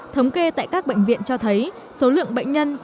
thống kê tại các bệnh viện cho thấy số lượng bệnh nhân